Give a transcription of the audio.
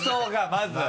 まず。